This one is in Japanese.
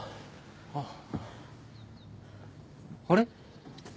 あぁ。あれ？